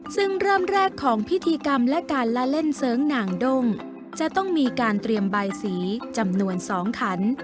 ซึ่งเริ่มแรกของพิธีกรรมและการละเล่นเสริงหน่างด้งจะต้องมีการเตรียมใบสีจำนวน๒ขัน